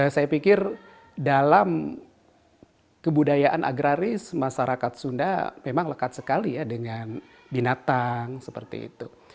saya pikir dalam kebudayaan agraris masyarakat sunda memang lekat sekali ya dengan binatang seperti itu